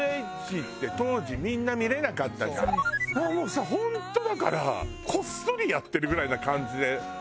もうさ本当だからこっそりやってるぐらいな感じで。